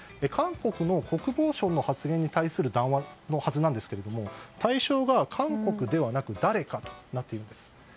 韓国の国防相の発言に対する談話のはずなんですが対象が韓国ではなくて誰かとなっているんです。